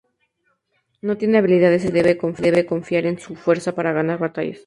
No tiene habilidades especiales y debe confiar en su fuerza para ganar batallas.